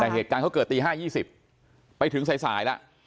แต่เหตุการณ์เขาเกิดตี๕๒๐ไปถึงสายแล้ว